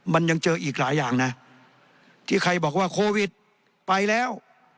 มันยังเจออีกหลายอย่างนะที่ใครบอกว่าโควิดไปแล้ว